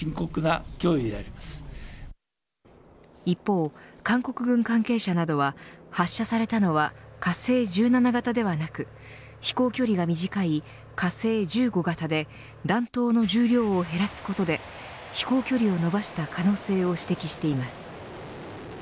一方、韓国軍関係者などは発射されたのは火星１７型ではなく飛行距離が短い火星１５型で弾頭の重量を減らすことで飛行距離を伸ばした可能性を指摘しています。